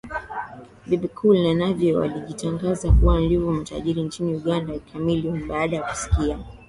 Bebe Cool na Navio walijitangaza kuwa ndiyo matajiri nchini Uganda Chameleone baada kusikia